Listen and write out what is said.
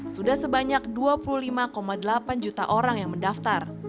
sudah sebanyak dua puluh lima delapan juta orang yang mendaftar